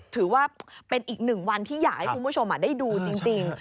ถือว่าเป็นอีกหนึ่งวันที่อยากให้คุณผู้ชมได้ดูจริง